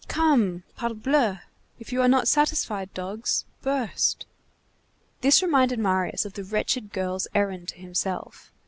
Come! Parbleu! if you are not satisfied, dogs, burst!" This reminded Marius of the wretched girl's errand to himself.